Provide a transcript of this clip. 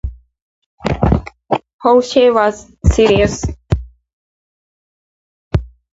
Porsche was serious.